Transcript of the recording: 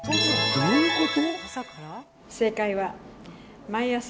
どういうこと？